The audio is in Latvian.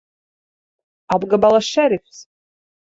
Apgabala šerifs!